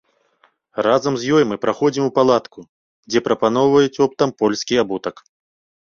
Разам з ёй мы прыходзім у палатку, дзе прапаноўваюць оптам польскі абутак.